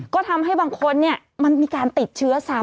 ก็ทำให้บางคนมันมีการติดเชื้อซ้ำ